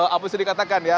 apa sih dikatakan ya